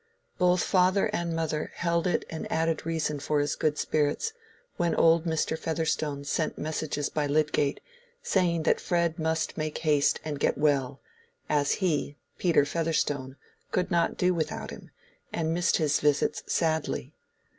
Both father and mother held it an added reason for good spirits, when old Mr. Featherstone sent messages by Lydgate, saying that Fred must make haste and get well, as he, Peter Featherstone, could not do without him, and missed his visits sadly.